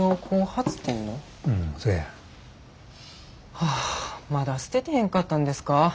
はあまだ捨ててへんかったんですか。